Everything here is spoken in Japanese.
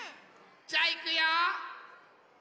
じゃあいくよ。